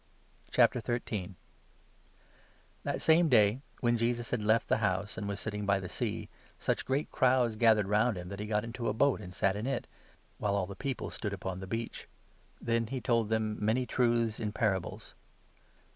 Parable That same day, when Jesus had left the house i ; of the sower, and was sitting by the Sea, such great crowds 2 gathered round him, that he got into a boat, and sat in it, while all the people stood upon the beach. Then he told them 3 many truths in parables.